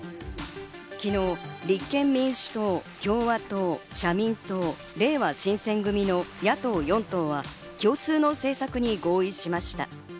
昨日、立憲民主党、共産党、社民党、れいわ新選組の野党４党は共通の政策に合意しました。